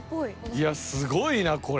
いやすごいなこれは。